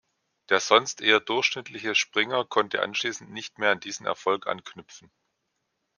Der sonst eher durchschnittliche Springer konnte anschließend nicht mehr an diesen Erfolg anknüpfen.